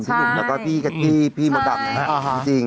คุณหนุ่มแล้วก็พี่กะตี้พี่มดดำจริง